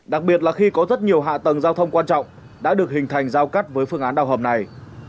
đặc biệt là khi có rất nhiều hạ tầng giao thông quan trọng đã được hình thành giao cắt với phương án đào hầm này